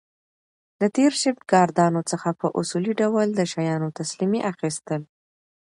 د تېر شفټ ګاردانو څخه په اصولي ډول د شیانو تسلیمي اخیستل